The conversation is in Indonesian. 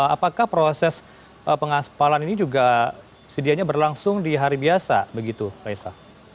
apakah proses pengaspalan ini juga sedianya berlangsung di hari biasa begitu raisa